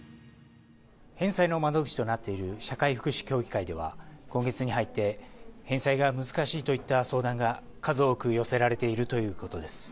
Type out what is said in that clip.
返済の窓口となっている社会福祉協議会では、今月に入って、返済が難しいといった相談が数多く寄せられているということです。